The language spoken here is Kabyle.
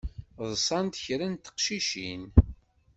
Ḍsant kra n teqcicin.